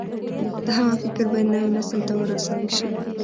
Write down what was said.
د هغه فکر بايد نوي نسل ته ورسول شي.